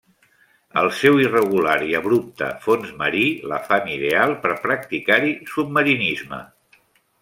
El seu irregular i abrupte fons marí la fan ideal per practicar-hi submarinisme.